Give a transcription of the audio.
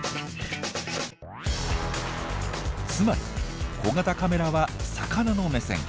つまり小型カメラは魚の目線。